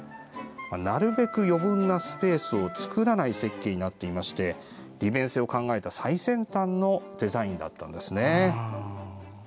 なるべく余分なスペースを作らない設計になっていまして利便性を考えた最先端のデザインだったんですね。